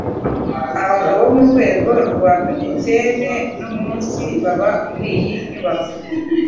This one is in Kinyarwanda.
Abagabo bo mu rwego rwa capitaine no munsi baba muri iyi nyubako